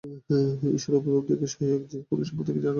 ঈশ্বর-উপলব্ধি সহায়ক যে-কোন সম্প্রদায়কেই স্বাগত জানাও।